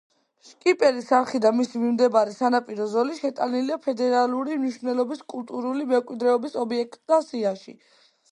შკიპერის არხი და მის მიმდებარე სანაპირო ზოლი შეტანილია ფედერალური მნიშვნელობის კულტურული მემკვიდრეობის ობიექტთა სიაში.